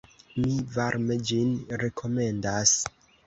Mi varme ĝin rekomendas.